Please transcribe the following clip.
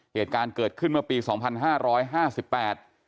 เหตุการณ์เกิดขึ้นเมื่อปีสองพันห้าร้อยห้าสิบแปด